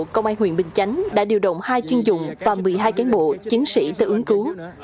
công an huyện bình chánh đã điều động hai chuyên dụng và một mươi hai cán bộ chiến sĩ tự ứng cứu